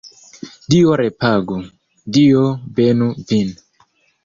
Dio repagu, Dio benu vin!